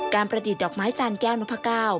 ประดิษฐ์ดอกไม้จานแก้วนพก้าว